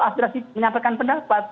aspirasi menyampaikan pendapat